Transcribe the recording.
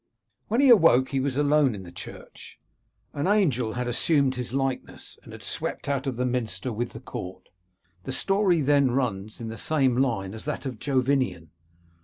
When he awoke he was alone in the church. An angel had assumed his likeness, and had swept out of the minster with the court. The story then runs in the same line as that of Jovinian.